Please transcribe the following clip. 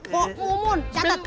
pak mumun catet